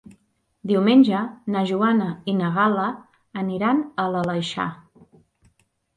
Diumenge na Joana i na Gal·la aniran a l'Aleixar.